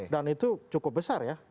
dan itu cukup besar ya